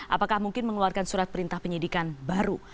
apakah mungkin mengeluarkan surat perintah penyidikan baru